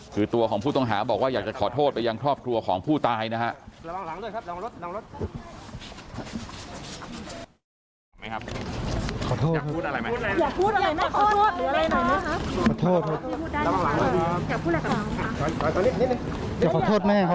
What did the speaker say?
คือตัวของผู้ต้องหาบอกว่าอยากจะขอโทษไปยังครอบครัวของผู้ตายนะฮะ